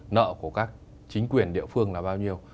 nợ của các chính quyền địa phương là bao nhiêu